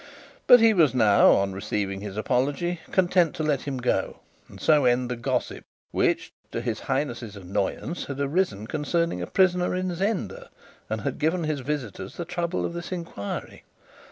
But he was now, on receiving his apology, content to let him go, and so end the gossip which, to his Highness's annoyance, had arisen concerning a prisoner in Zenda, and had given his visitors the trouble of this enquiry.